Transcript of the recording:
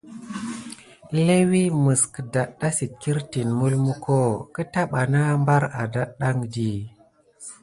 Léwi məs kədaɗɗa sit kirtine mulmuko keta bana bar adaɗɗaŋ di.